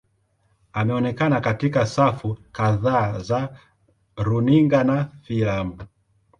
Ameonekana katika safu kadhaa za runinga na filamu.